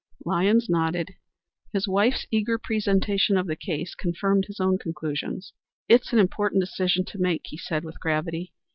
Lyons nodded. His wife's eager presentation of the case confirmed his own conclusions. "It is an important decision to make," he said, with gravity.